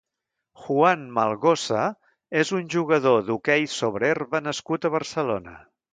Juan Malgosa és un jugador d'hoquei sobre herba nascut a Barcelona.